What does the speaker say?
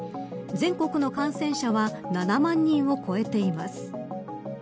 全国の感染者は７万人を超えています。